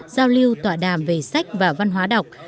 giao lưu tọa đàm về sách và văn hóa đọc